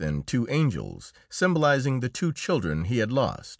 and two angels, symbolising the two children he had lost.